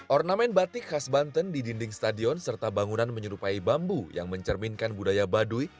ornamen batik khas banten di dinding stadion serta bangunan menyerupai bambu yang mencerminkan budaya baduy